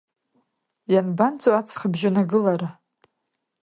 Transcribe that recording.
Ианбанҵәо аҵхыбжьон агылара?!